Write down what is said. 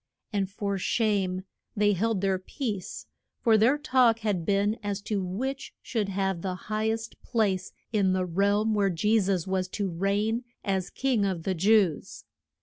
And for shame they held their peace, for their talk had been as to which should have the high est place in the realm where Je sus was to reign as King of the Jews.